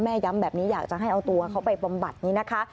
ย้ำแบบนี้อยากจะให้เอาตัวเขาไปบำบัดนี้นะคะ